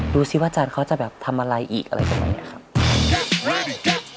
ดูสิว่าอาจารย์เขาจะทำอะไรอีกอะไรกันไหมครับ